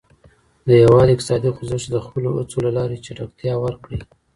د هيواد اقتصادي خوځښت ته د خپلو هڅو له لاري چټکتيا ورکړئ.